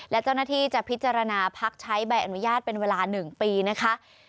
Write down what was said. และเจ้าหน้าที่จะพิจารณาพักใช้ใบอนุญาตเป็นเวลา๑ปีนะคะ